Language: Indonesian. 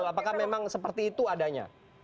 apakah memang seperti itu adanya